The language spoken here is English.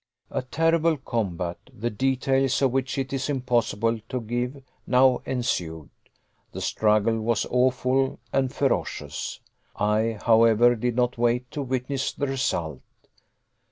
A terrible combat, the details of which it is impossible to give, now ensued. The struggle was awful and ferocious, I, however, did not wait to witness the result.